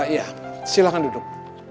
iya silahkan duduk